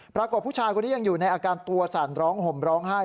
ผู้ชายคนนี้ยังอยู่ในอาการตัวสั่นร้องห่มร้องไห้